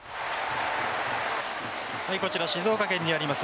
こちら静岡県にあります